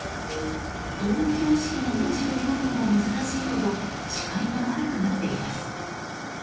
道路標識の文字を読むのも難しいほど視界が悪くなっています。